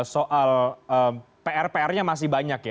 soal pr prnya masih banyak ya